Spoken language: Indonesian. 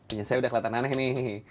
ini saya udah kelihatan aneh nih